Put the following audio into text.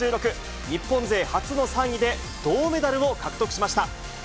日本勢初の３位で、銅メダルを獲得しました。